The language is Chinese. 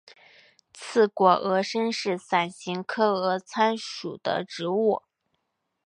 刺果峨参是伞形科峨参属的植物。